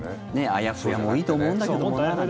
あやふやもいいと思うんだけどもななんて。